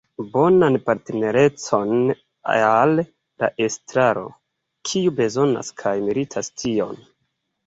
Bonan partnerecon al la Estraro, kiu bezonas kaj meritas tion.